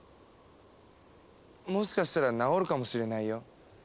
もしかしたら治るかもしれないよ。